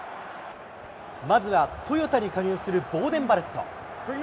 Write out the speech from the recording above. まずはトヨタに加入するボーデン・バレット。